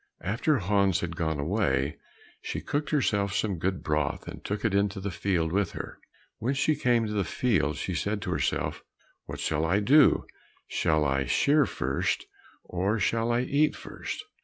After Hans had gone away, she cooked herself some good broth and took it into the field with her. When she came to the field she said to herself, "What shall I do; shall I shear first, or shall I eat first?